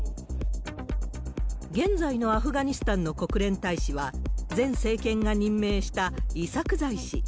現在のアフガニスタンの国連大使は、前政権が任命したイサクザイ氏。